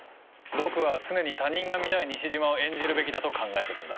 僕は常に他人が見たい西島を演じるべきだと考えてるんだ。